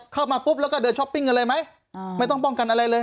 เข้ามาปุ๊บแล้วก็เดินช้อปปิ้งกันเลยไหมไม่ต้องป้องกันอะไรเลย